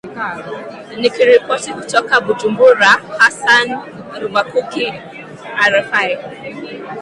nikiripoti kutoka bujumbura hassan ruvakuki rfi